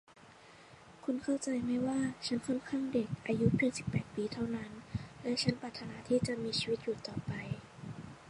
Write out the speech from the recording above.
คุณเข้าใจไหมว่าฉันค่อนข้างเด็ก อายุเพียงสิบแปดปีเท่านั้น และฉันปรารถนาที่จะมีชีวิตอยู่ต่อไป